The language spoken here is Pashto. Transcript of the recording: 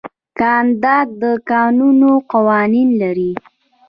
کاناډا د کانونو قوانین لري.